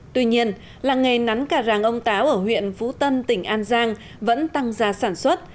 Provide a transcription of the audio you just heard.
tuy nhiên làng nghề nắn cà ràng ông táo ở huyện phú tân tỉnh an giang vẫn tăng ra sản xuất